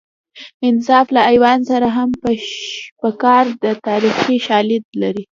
انصاف له حیوان سره هم په کار دی تاریخي شالید لري